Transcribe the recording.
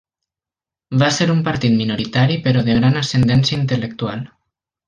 Va ser un partit minoritari però de gran ascendència intel·lectual.